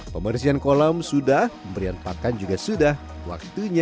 pembersihan kolam sudah pemberian pakan juga sudah waktunya